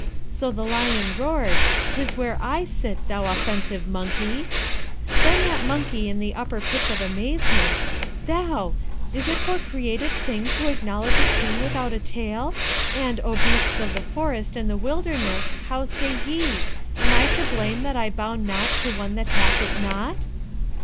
'So the lion roared, "'Tis I where I sit, thou offensive monkey!" 'Then that monkey in the upper pitch of amazement, "Thou! Is it for created thing to acknowledge a king without a tail? And, O beasts of the forest and the wilderness, how say ye? Am I to blame that I bow not to one that hath it not?"